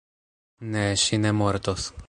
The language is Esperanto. Ne, ŝi ne mortos